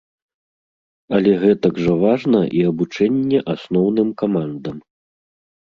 Але гэтак жа важна і абучэнне асноўным камандам.